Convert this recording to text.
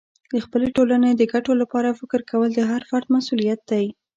د خپلې ټولنې د ګټو لپاره فکر کول د هر فرد مسئولیت دی.